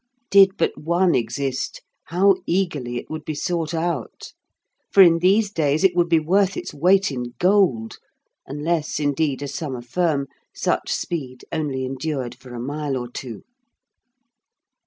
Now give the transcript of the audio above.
Did but one exist, how eagerly it would be sought out, for in these days it would be worth its weight in gold, unless, indeed, as some affirm, such speed only endured for a mile or two.